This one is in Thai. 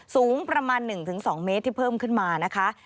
สูงประมาณ๑๒เมตรที่เพิ่มขึ้นมานะคะ